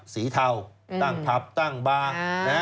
สีเทาตั้งถับตั้งบาร์